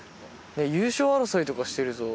優勝争いとかしてると。